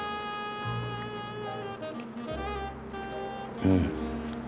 うん。